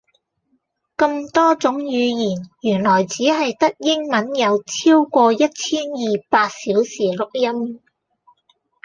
咁多種語言原來只係得英文有超過一千二百小時錄音